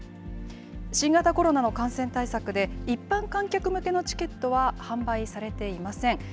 新型コロナの感染対策で一般観客向けのチケットは販売されていません。